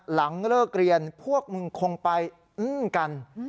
หลังเลิกเรียนพวกมึงคงไปกัน